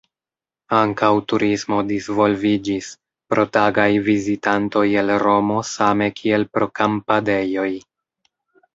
Ankaŭ turismo disvolviĝis, pro tagaj vizitantoj el Romo same kiel pro kampadejoj.